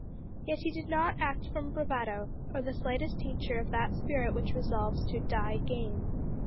Yet he did not act from bravado, or the slightest tincture of that spirit which resolves to "die game."